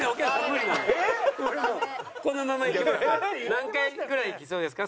何回ぐらいいきそうですか？